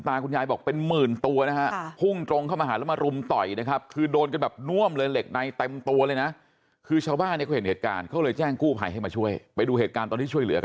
แล้วพรึ่งหวังที่อยู่ในป่าแถวบ้าน